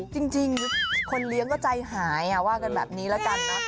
จริงคนเลี้ยงก็ใจหายว่ากันแบบนี้ละกันนะ